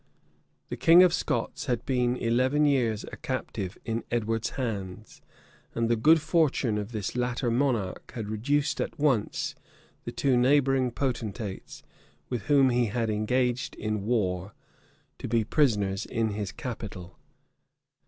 The king of Scots had been eleven years a captive in Edward's hands; and the good fortune of this latter monarch had reduced at once the two neighboring potentates, with whom he was engaged in war, to be prisoners in his capital.